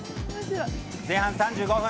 前半３５分